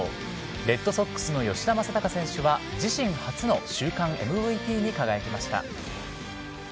レッドソックスの吉田正尚選手は、自身初の週間ＭＶＰに輝きました。